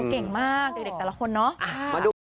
เก่งมากเด็กแต่ละคนเนาะ